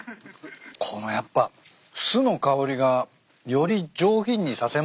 このやっぱ酢の香りがより上品にさせますね。